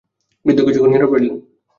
বৃদ্ধ কিছুক্ষণ নিরব রইলেন।